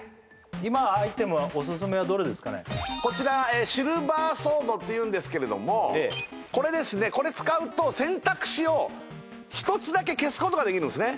今アイテムはオススメはどれですかねこちらシルバーソードっていうんですけれどもこれですねこれ使うと選択肢を１つだけ消すことができるんですね